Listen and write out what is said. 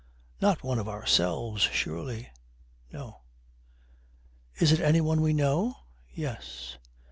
Not one of ourselves surely? No. Is it any one we know? Yes.